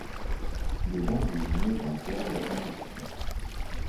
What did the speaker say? Il est donc désigné vainqueur de la compétition.